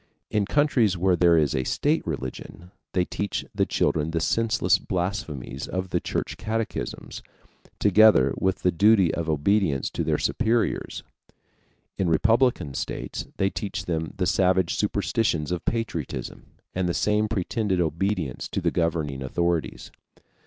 In countries where there is a state religion, they teach the children the senseless blasphemies of the Church catechisms, together with the duty of obedience to their superiors. In republican states they teach them the savage superstition of patriotism and the same pretended obedience to the governing authorities.